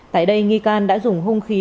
tại đây nghi can đã dùng hông khí